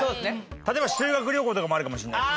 例えば修学旅行とかもあるかもしれないし。